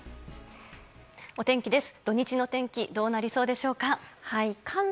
お天気です。